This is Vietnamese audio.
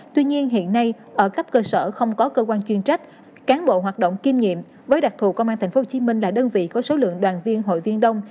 tuy nhiên hiện nay ở cấp cơ sở không có cơ quan chuyên trách cán bộ hoạt động kiêm nhiệm với đặc thù công an tp hcm là đơn vị có số lượng đoàn viên hội viên đông